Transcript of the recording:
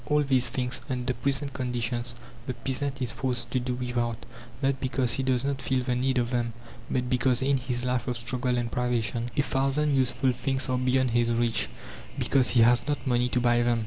All these things, under present conditions, the peasant is forced to do without, not because he does not feel the need of them, but because, in his life of struggle and privation, a thousand useful things are beyond his reach; because he has not money to buy them.